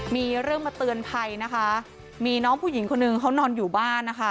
มีเรื่องมาเตือนภัยนะคะมีน้องผู้หญิงคนหนึ่งเขานอนอยู่บ้านนะคะ